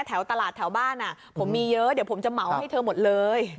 แถวตลาดแถวบ้านผมมีเยอะเดี๋ยวผมจะเหมาให้เธอหมดเลย